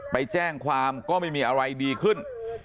ไปแจ้งความก็ไม่มีอะไรดีขึ้น